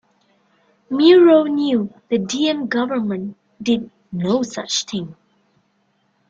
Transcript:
Murrow knew the Diem government did no such thing.